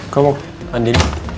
kau mau mandi